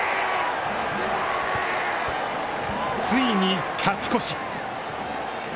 ついに勝ち越し！